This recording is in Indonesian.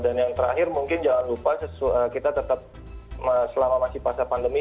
dan yang terakhir mungkin jangan lupa kita tetap selama masih pasal pandemi